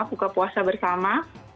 buka puasa bersama